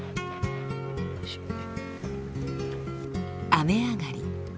雨上がり。